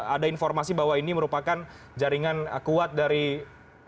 ada informasi bahwa ini merupakan jaringan kuat dari pemerintah